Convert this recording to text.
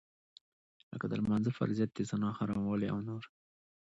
لکه د لمانځه فرضيت د زنا حراموالی او نور.